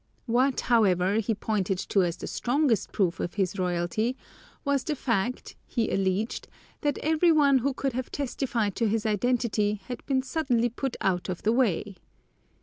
What, however, he pointed to as the strongest proof of his royalty was the fact, he alleged, that every one who could have testified to his identity had been suddenly put out of the way.